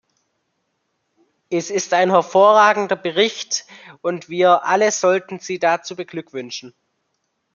Es ist ein hervorragender Bericht, und wir alle sollten sie dazu beglückwünschen.